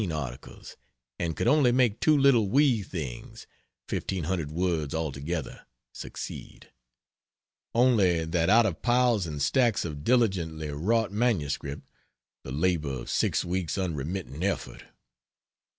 articles and could only make 2 little wee things, 1500 words altogether, succeed: only that out of piles and stacks of diligently wrought MS., the labor of 6 weeks' unremitting effort.